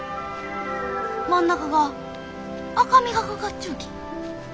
真ん中が赤みがかかっちゅうき。